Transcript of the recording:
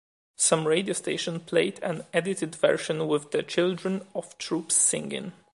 Some radio stations played an edited version with the children of troops singing.